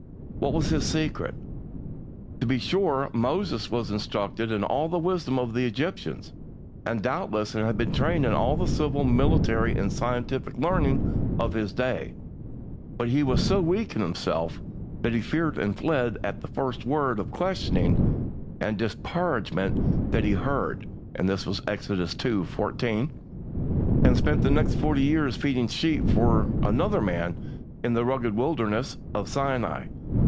What was his secret? To be sure, Moses was "instructed in all the wisdom of the Egyptians," and, doubtless, had been trained in all the civil, military, and scientific learning of his day, but he was so weak in himself that he feared and fled at the first word of questioning and disparagement that he heard (Exodus ii. 14), and spent the next forty years feeding sheep for another man in the rugged wilderness of Sinai.